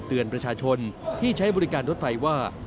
เตือนประชาชนที่ใช้บริการรถไฟว่า